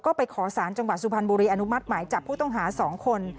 ก็ไปขอสารจังหวัดสุพรรณบุรีอนุมัติหมายจับผู้ต้องหา๒คน